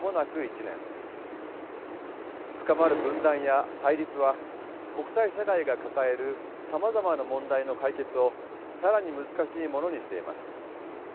深まる分断や対立は国際社会が抱えるさまざまな問題の解決を更に難しいものにしています。